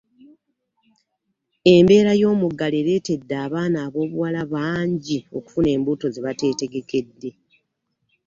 embeera y'omuggalo ereetedde abaana ab'obuwala bangi okufuna embuto zebatetegekedde.